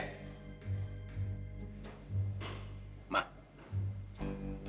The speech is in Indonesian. kenapa lagi tuh anak kamu